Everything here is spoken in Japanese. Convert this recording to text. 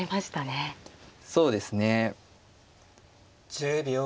１０秒。